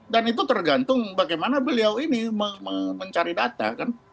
dan itu tergantung bagaimana beliau ini mencari data